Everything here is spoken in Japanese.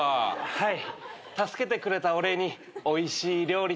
はい。